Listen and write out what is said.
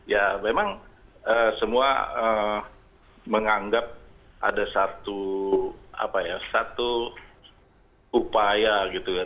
ya memang semua menganggap ada satu upaya